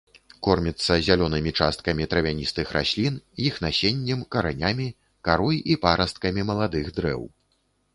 Корміцца зялёнымі часткамі травяністых раслін, іх насеннем, каранямі, карой і парасткамі маладых дрэў.